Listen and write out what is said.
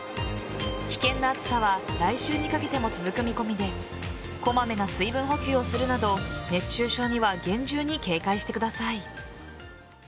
危険な暑さは来週にかけても続く見込みでこまめな水分補給をするなど熱中症には厳重に警戒してください。